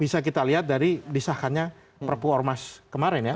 bisa kita lihat dari disahkannya perpu ormas kemarin ya